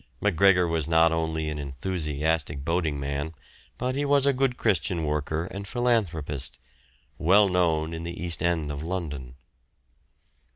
Macgregor was not only an enthusiastic boating man, but he was a good Christian worker and philanthropist, well known in the East End of London.